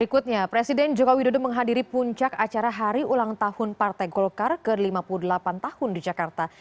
berikutnya presiden joko widodo menghadiri puncak acara hari ulang tahun partai golkar ke lima puluh delapan tahun di jakarta